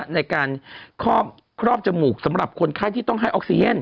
ในการครอบจมูกสำหรับคนไข้ที่ต้องให้ออกซีเย็น